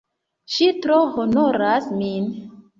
Ŝi tro honoras min!